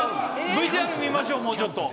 ＶＴＲ見ましょうもうちょっと。